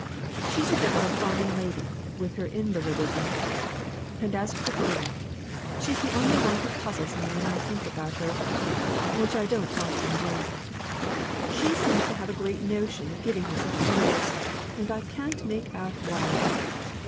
She's a bit of a fine lady, with her invalidism; and as for the girl she's the only one who puzzles me when I think about her, which I don't often do. She seems to have a great notion of giving herself airs; and I can't make out why.